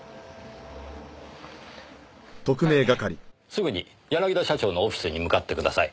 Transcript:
すぐに柳田社長のオフィスに向かってください。